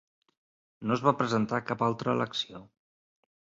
No es va presentar a cap altra elecció.